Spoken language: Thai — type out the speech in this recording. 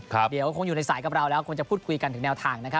เดี๋ยวคงอยู่ในสายกับเราแล้วคงจะพูดคุยกันถึงแนวทางนะครับ